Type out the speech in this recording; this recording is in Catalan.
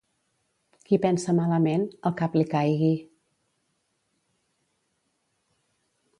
Qui pensa malament, el cap li caigui.